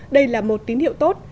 đây là một tín hiệu tốt